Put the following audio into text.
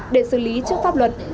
để xử lý trước pháp luật